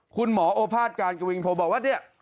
คุณหมอโอภาษการกวิงโทบอกว่าเนี่ย